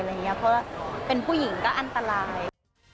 เพราะว่าเป็นผู้หญิงก็อันตราย